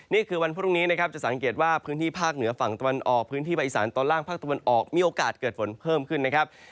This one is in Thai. นี่คือวันพรุ่งนี้นะครับจะสังเกตว่าพื้นที่ภาคเหนือฝั่งตะวันออกพื้นที่ภาคอีสานตอนล่างภาคตะวันออกมีโอกาสเกิดฝนเพิ่มขึ้นนะครับ